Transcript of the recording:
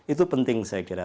itu penting saya kira